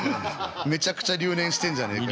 めちゃくちゃ留年してんじゃねえかよ。